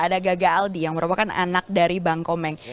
ada gaga aldi yang merupakan anak dari bang komeng